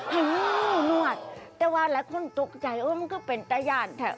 ให้งูนวดแต่ว่าหลายคนตกใจเออมันก็เป็นตะยานแถว